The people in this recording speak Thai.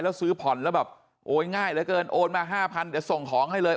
แล้วซื้อผ่อนแล้วแบบโอ๊ยง่ายเหลือเกินโอนมา๕๐๐เดี๋ยวส่งของให้เลย